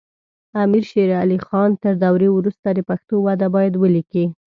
امیر شیر علی خان تر دورې وروسته د پښتو وده باید ولیکي.